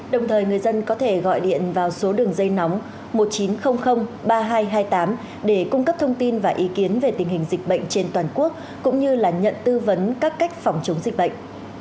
đồng thời người dân có thể gọi điện vào số đường dây nóng một chín không không ba hai hai tám để cung cấp thông tin và ý kiến về tình hình dịch bệnh trên toàn quốc cũng như là nhận tư vấn các cách phòng chống dịch bệnh